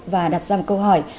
và đặt ra một câu hỏi